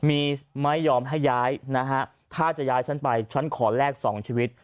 มีไม่ยอมให้ย้ายนะฮะถ้าจะย้ายฉันไปฉันขอแลก๒ชีวิต